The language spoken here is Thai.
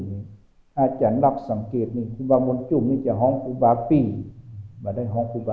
ยังจะเหี้ยงให้หนูกันใจจ้างเวลาก็ได้